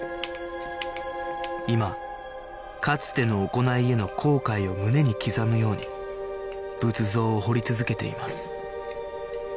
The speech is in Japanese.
今かつての行いへの後悔を胸に刻むように仏像を彫り続けています